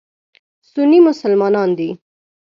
سني مسلمانان دي.